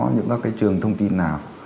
những các trường thông tin nào